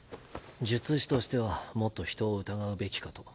術師としてはもっと人を疑うべきかと。